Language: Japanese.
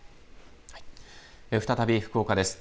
再び福岡です。